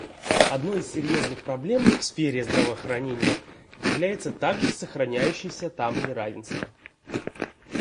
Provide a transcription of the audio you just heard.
Одной из серьезных проблем в сфере здравоохранения является также сохраняющееся там неравенство.